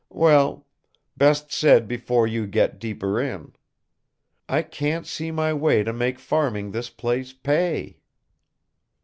Well best said before you get deeper in. I can't see my way to make farming this place pay."